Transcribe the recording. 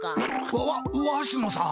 わわわしもさん。